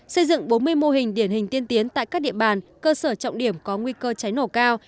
xây dựng bốn mươi mô hình điển hình tiên tiến tại các địa bàn cơ sở trọng điểm có nguy cơ cháy nổ cao